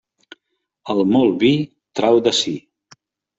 El molt vi trau de si.